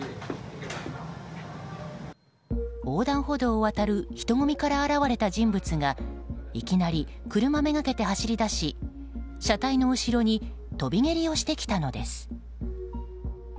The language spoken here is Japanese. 横断歩道を渡る人混みから現れた人物がいきなり車めがけて走り出し車体の後ろに跳び蹴りをしてきたのです。